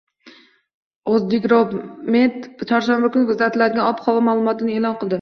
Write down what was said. “O‘zgidromet” chorshanba kuni kuzatiladigan ob-havo ma’lumotini e’lon qildi